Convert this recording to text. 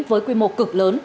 với quy mô cực lớn